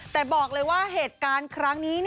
แต่บอกเลยว่าเหตุการณ์ครั้งนี้